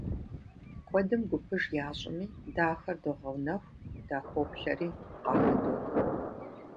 Куэдым гупыж ящӀми, дэ ахэр догъэунэху, дахоплъэри, къахыдох.